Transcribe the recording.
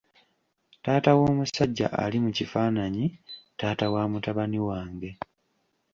Taata w'omusajja ali mu kifaananyi taata wa mutabani wange.